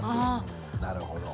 なるほど。